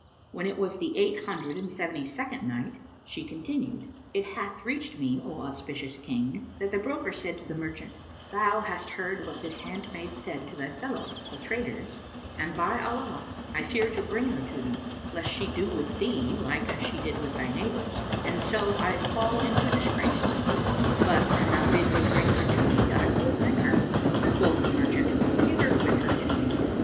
When it was the Eight Hundred and Seventy second Night, She continued, It hath reached me, O auspicious King, that the broker said to the merchant, "Thou hast heard what this handmaid said to thy fellows, the traders, and by Allah, I fear to bring her to thee, lest she do with thee like as she did with thy neighbours and so I fall into disgrace with thee: but, an thou bid me bring her to thee, I will bring her." Quoth the merchant, "Hither with her to me."